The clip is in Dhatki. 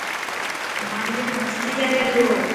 مانوڪ مستي ڪر تو.